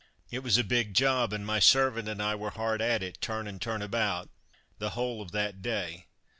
It was a big job, and my servant and I were hard at it, turn and turn about, the whole of that day.